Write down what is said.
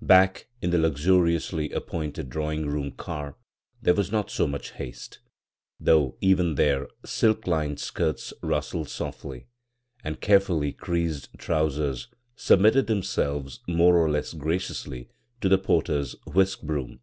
Back in the luxuriously appointed draw ing room car there was not so much haste, though even there silk lined skirts rustled softly, and carefully creased trousers subnut ted themselves more or less graciously to the porter's whisk broom.